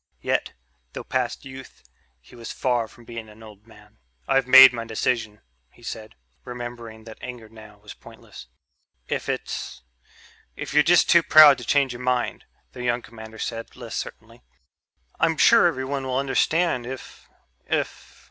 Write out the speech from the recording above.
Yet, though past youth, he was far from being an old man. "I've made my decision," he said, remembering that anger now was pointless. "If it's if you're just too proud to change your mind," the young commander said, less certainly, "I'm sure everyone will understand if ... if